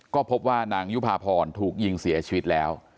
ก็พบว่านางยุภาพรถูกยิงเสียชีวิตแล้ว